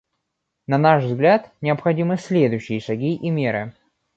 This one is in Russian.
На наш взгляд, необходимы следующие шаги и меры.